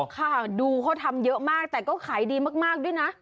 ค่ะดูเขาทำเยอะมากแต่ก็ขายดีมากด้วยนะ